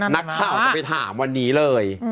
นักข่าวจะไปถามวันนี้เลย